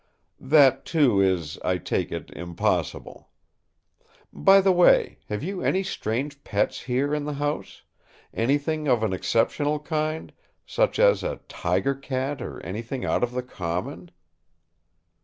That too is, I take it, impossible. By the way, have you any strange pets here in the house; anything of an exceptional kind, such as a tiger cat or anything out of the common?"